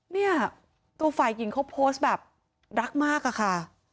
เนี่ยตัวฝ่ายหญิงเขาโพสต์แบบรักมากอะค่ะ